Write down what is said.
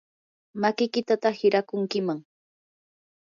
makiykitataq hirakunkiman.